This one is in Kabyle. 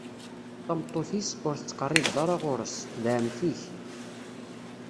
Tameṭṭut-is, ur tettqerribeḍ ara ɣur-s: D ɛemmti-k.